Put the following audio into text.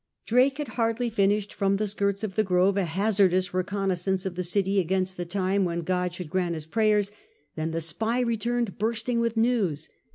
Drake had hardly finished from the skirts of the grove a hazardous reconnaissance of the city against the time when God should grant his prayer, than the spy returned bursting with news.